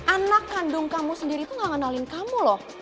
anak kandung kamu sendiri tuh gak ngenalin kamu